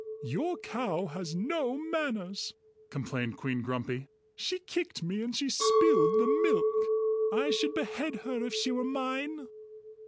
"Your cow has no manners," complained Queen Grumpy. "She kicked me, and she spilled the milk. I should behead her if she were mine."